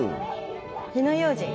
火の用心？